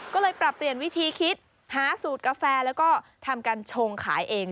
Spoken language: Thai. ก็เลยปรับเปลี่ยนวิธีคิดหาสูตรกาแฟแล้วก็ทำการชงขายเอง